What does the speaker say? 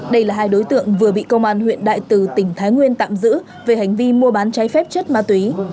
đây là hai đối tượng vừa bị công an huyện đại từ tỉnh thái nguyên tạm giữ về hành vi mua bán trái phép chất ma túy